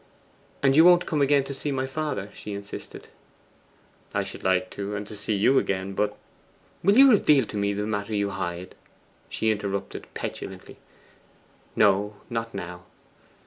'And you won't come again to see my father?' she insisted. 'I should like to and to see you again, but ' 'Will you reveal to me that matter you hide?' she interrupted petulantly. 'No; not now.